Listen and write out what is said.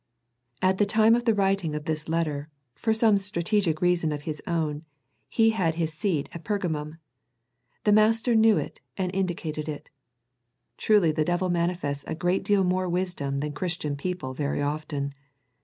At the time of the wri ting of this letter, for some strategic reason of his own, he had his seat at Pergamum. The Master knew it and indicated it. Truly the devil manifests a great deal more wisdom than Christian people very often.